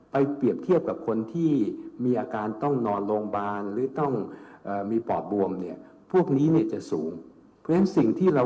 ไปเปรียบเทียบกับคนที่มีอาการต้องนอนโรงบาล